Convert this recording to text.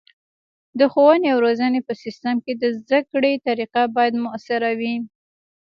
د ښوونې او روزنې په سیستم کې د زده کړې طریقه باید مؤثره وي.